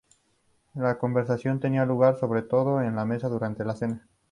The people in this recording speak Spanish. La conversación tenía lugar, sobre todo, en la mesa, durante la cena.